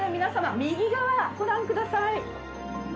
皆様右側ご覧ください。